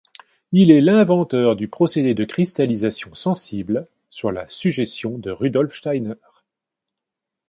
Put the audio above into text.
Il est l'inventeur du procédé de cristallisation sensible sur la suggestion de Rudolf Steiner.